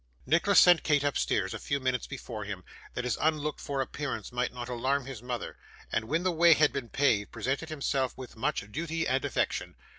Nicholas sent Kate upstairs a few minutes before him, that his unlooked for appearance might not alarm his mother, and when the way had been paved, presented himself with much duty and affection.